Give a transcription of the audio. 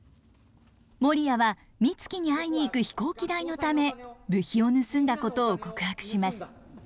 モリヤはミツキに会いに行く飛行機代のため部費を盗んだことを告白します。